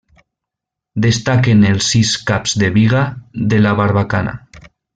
Destaquen els sis caps de biga de la barbacana.